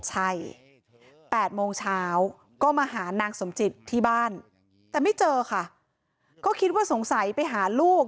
ใช่๘โมงเช้าก็มาหานางสมจิตที่บ้านแต่ไม่เจอค่ะก็คิดว่าสงสัยไปหาลูก